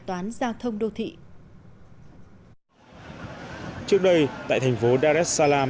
diễn giao thông đô thị trước đây tại thành phố dar es salaam